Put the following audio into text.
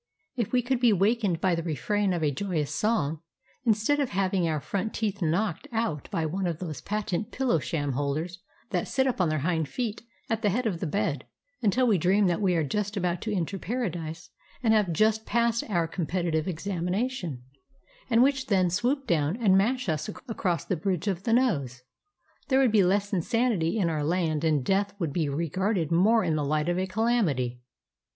If we could be wakened by the refrain of a joyous song, instead of having our front teeth knocked out by one of those patent pillow sham holders that sit up on their hind feet at the head of the bed, until we dream that we are just about to enter Paradise and have just passed our competitive examination, and which then swoop down and mash us across the bridge of the nose, there would be less insanity in our land and death would be regarded more in the light of a calamity.